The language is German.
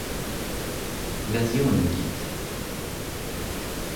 Versionen gibt.